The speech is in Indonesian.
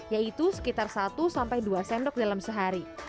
yaitu sekitar satu sampai dua sendok dalam sehari